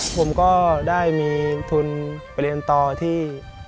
ผมก็ได้มีทุนไปเรียนต่อที่